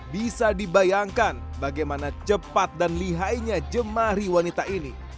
bisa dibayangkan bagaimana cepat dan lihainya jemari wanita ini